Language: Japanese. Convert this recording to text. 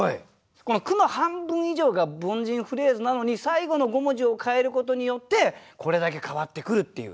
この句の半分以上が凡人フレーズなのに最後の５文字を変えることによってこれだけ変わってくるっていう。